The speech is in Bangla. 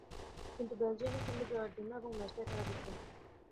কিন্তু বেলজিয়াম খেলল জয়ের জন্য এবং ম্যাচটা তারাই জিতল।